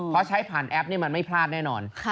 เพราะใช้ผ่านแอปนี่มันไม่พลาดแน่นอน